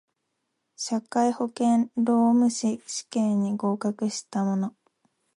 社会保険労務士試験に合格した者